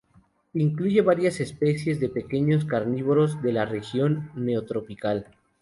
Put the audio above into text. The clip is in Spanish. Incluye varias especies de pequeños carnívoros de la región Neotropical.